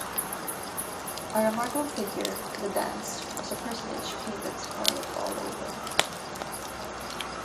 A remarkable figure in the dance was a personage painted scarlet all over.